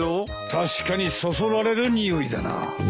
確かにそそられる匂いだな。